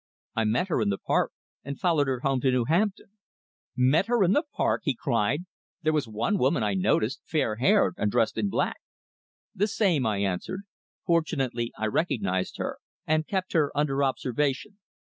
I met her in the park, and followed her home to New Hampton." "Met her in the park!" he cried. "There was one woman I noticed, fair haired, and dressed in black." "The same," I answered. "Fortunately I recognised her and kept her under observation."